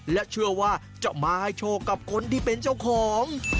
และเชื่อว่าจะมาให้โชคกับคนที่เป็นเจ้าของ